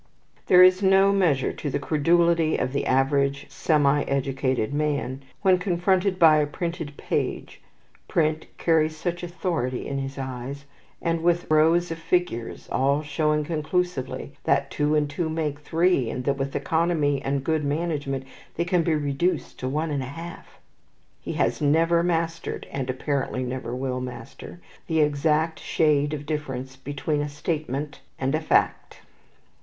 There is no measure to the credulity of the average semi educated man when confronted by a printed page (print carries such authority in his eyes), and with rows of figures, all showing conclusively that two and two make three, and that with economy and good management they can be reduced to one and a half. He has never mastered, and apparently never will master, the exact shade of difference between a statement and a fact.